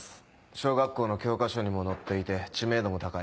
小学校の教科書にも載っていて知名度も高い。